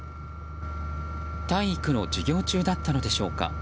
体育の授業中だったのでしょうか。